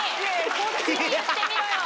こっちに言ってみろよ。